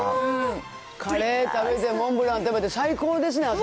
カレー食べてモンブラン食べて、最高ですね、朝。